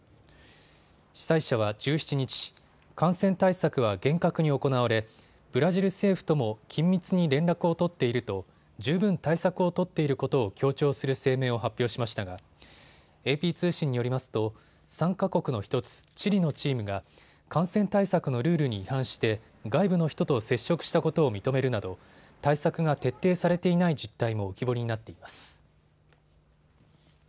主催者は１７日、感染対策は厳格に行われブラジル政府とも緊密に連絡を取っていると十分対策を取っていることを強調する声明を発表しましたがＡＰ通信によりますと参加国の１つ、チリのチームが感染対策のルールに違反して外部の人と接触したことを認めるなど対策が徹底されていない実態も浮き彫りになっています。